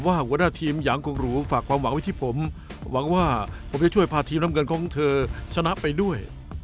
หัวหน้าทีมยางกงหรูฝากความหวังไว้ที่ผมหวังว่าผมจะช่วยพาทีมน้ำเงินของเธอชนะไปด้วย